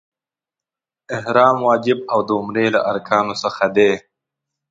احرام واجب او د عمرې له ارکانو څخه دی.